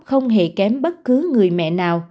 không hề kém bất cứ người mẹ